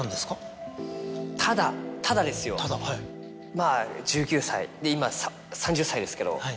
まぁ１９歳で今３０歳ですけど。